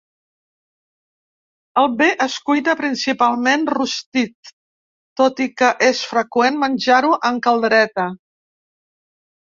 El be es cuina principalment rostit tot i que és freqüent menjar-ho en caldereta.